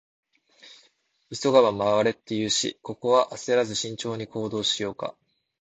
「急がば回れ」って言うし、ここは焦らず慎重に行動しようか。